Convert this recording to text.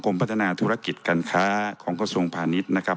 กรมพัฒนาธุรกิจการค้าของกระทรวงพาณิชย์